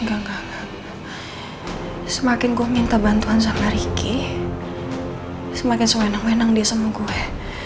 engga engga engga semakin gue minta bantuan sama riki semakin sewenang wenang dia sama gue